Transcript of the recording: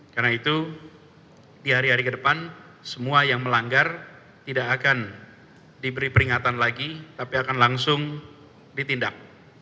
karena itu di hari hari ke depan semua yang melanggar tidak akan diberi peringatan lagi tapi akan langsung ditindak